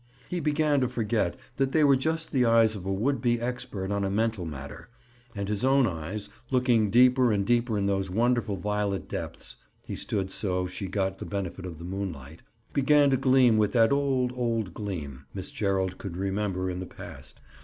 He began to forget that they were just the eyes of a would be expert on a mental matter, and his own eyes, looking deeper and deeper in those wonderful violet depths (he stood so she got the benefit of the moonlight) began to gleam with that old, old gleam Miss Gerald could remember in the past.